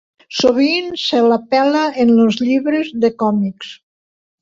Sovint se l'apel·la en els llibres de còmics.